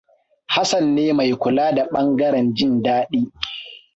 Hassan ne mai kula da ɓangaren jin daɗi.